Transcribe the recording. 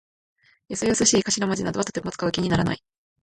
よそよそしい頭文字などはとても使う気にならない。